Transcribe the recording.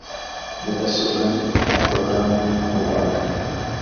mudasobwa na porogaramu murwanda